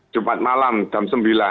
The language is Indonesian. jumat malam jam sembilan